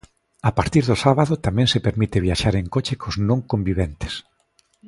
A partir do sábado tamén se permite viaxar en coche cos non conviventes.